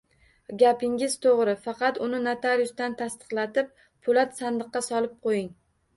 Gapingiz to’g’ri… Faqat uni notariusdan tasdiqlatib, po’lat sandiqqa solib qo’ying.